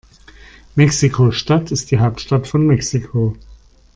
Mexiko-Stadt ist die Hauptstadt von Mexiko.